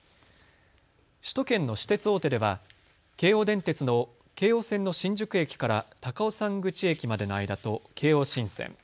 首都圏の私鉄大手では京王電鉄の京王線の新宿駅から高尾山口駅までの間と京王新線。